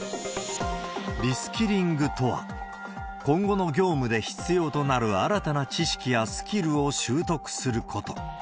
リスキリングとは、今後の業務で必要となる新たな知識やスキルを習得すること。